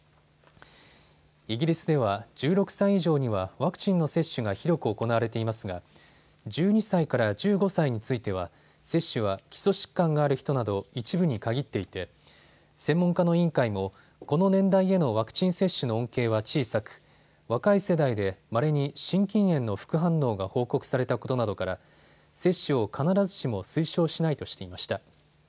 イギリスでは１６歳以上にはワクチンの接種が広く行われていますが１２歳から１５歳については接種は基礎疾患がある人など、一部に限っていて専門家の委員会もこの年代へのワクチン接種の恩恵は小さく若い世代でまれに心筋炎の副反応が報告されたことなどから接種を必ずしも推奨しないとしていました。